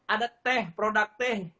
ada teh produk teh